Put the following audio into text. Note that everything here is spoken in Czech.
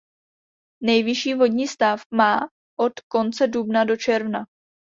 Nejvyšší vodní stav má od konce dubna do června.